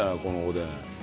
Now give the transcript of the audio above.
このおでん。